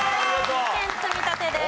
２点積み立てです。